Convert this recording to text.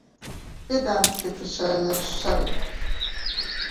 Identificējiet sevi.